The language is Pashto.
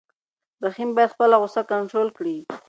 رحیم باید خپله غوسه کنټرول کړي.